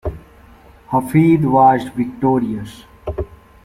Hafid was victorious.